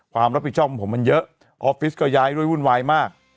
ความรับผิดชอบของผมมันเยอะออฟฟิศก็ย้ายด้วยวุ่นวายมาก